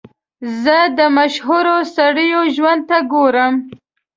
زه د مشهورو سړیو ژوند ته ګورم.